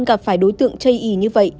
gặp phải đối tượng chây ý như vậy